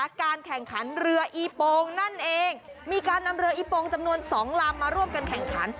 การแข่งขันเรืออีโปงนั่นเองมีการนำเรืออีโปงจำนวนสองลำมาร่วมกันแข่งขัน